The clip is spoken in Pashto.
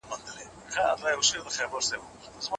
ایا منځلارې خبره په دې ټولنه کي ځای لري؟